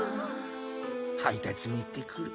配達に行ってくる。